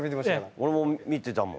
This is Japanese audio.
俺も見てたもん。